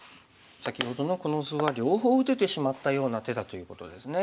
先ほどのこの図は両方打ててしまったような手だということですね。